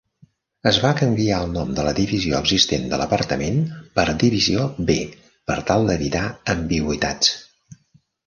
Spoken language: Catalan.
Es va canviar el nom de la divisió existent de l'apartament per divisió B per tal d'evitar ambigüitats.